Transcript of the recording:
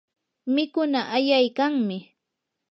mikunaa ayaykanmi.